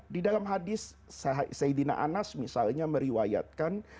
di dalam hadis saidina anas misalnya meriwayatkan